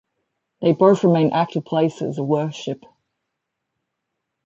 They both remain active places of worship.